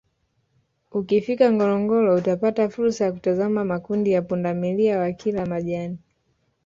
Ukifika Ngorongoro utapata fursa ya kutazama makumi ya pundamilia wakila majani